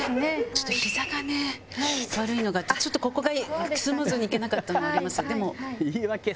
ちょっとひざがね悪いのがあってちょっとここがスムーズにいけなかったのもあります。